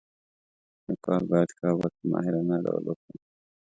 لیکوال باید ښه او بد په ماهرانه ډول وښایي.